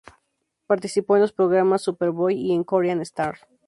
Participó en los programas "Super Boy" y en "Korean Star".